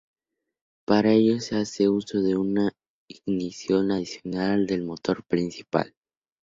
Para ello se hace uso de una ignición adicional del motor principal.